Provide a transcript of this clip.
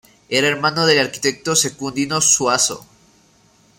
Era hermano del arquitecto Secundino Zuazo.